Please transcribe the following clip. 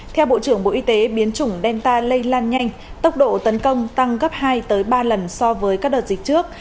theo bộ trưởng bộ y tế biến chủng delta lây lan nhanh tốc độ tấn công tăng gấp hai ba lần so với các đợt dịch trước